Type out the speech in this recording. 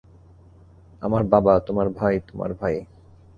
আমার বাবা -- তোমার ভাই, তোমার ভাই!